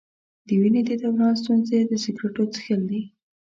د وینې د دوران ستونزې د سګرټو څښل دي.